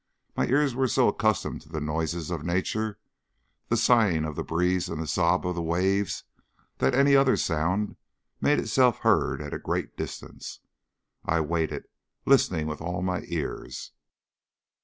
My ears were so accustomed to the noises of nature, the sighing of the breeze and the sob of the waves, that any other sound made itself heard at a great distance. I waited, listening with all my ears.